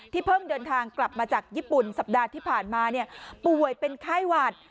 เพิ่งเดินทางกลับมาจากญี่ปุ่นสัปดาห์ที่ผ่านมาป่วยเป็นไข้หวัด